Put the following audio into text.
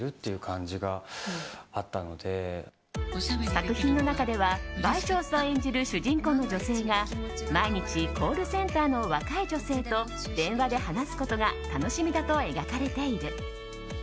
作品の中では倍賞さん演じる主人の女性が毎日、コールセンターの若い女性と電話で話すことが楽しみだと描かれている。